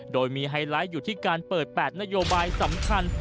โดยมีไฮไลท์อยู่ที่การเปิด๘นโยบายสำคัญ